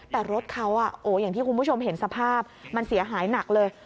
แต่รถเขาอย่างที่คุณผู้ชมเห็นสภาพมันเสียหายหนักเลย